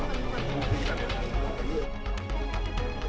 siapa saja pak bitch wear